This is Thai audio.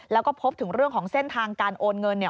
แล้วก็พบถึงเรื่องของเส้นทางการโอนเงินเนี่ย